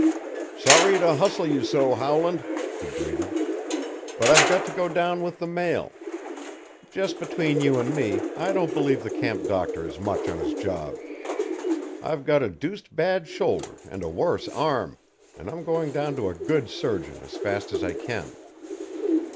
"Sorry to hustle you so, Howland," he greeted, "but I've got to go down with the mail. Just between you and me I don't believe the camp doctor is much on his job. I've got a deuced bad shoulder and a worse arm, and I'm going down to a good surgeon as fast as I can."